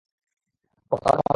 ওহ, তাহলে তো ভালোই।